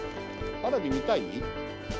花火見たい？